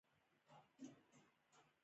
سوداګري و غوړېده.